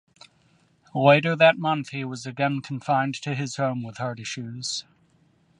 Later that month he was again confined to his home with heart issues.